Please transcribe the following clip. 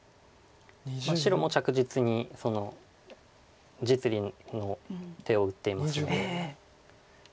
白も着実に実利の手を打っていますので。